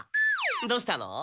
どうしたの？